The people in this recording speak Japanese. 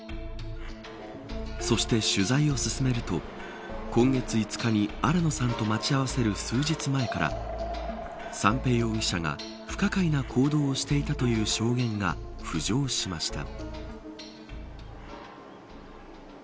そして取材を進めると今月５日に新野さんと待ち合わせる数日前から三瓶容疑者が不可解な行動をしていたという証言が浮上しました。